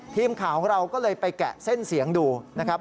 ทีมข่าวของเราก็เลยไปแกะเส้นเสียงดูนะครับ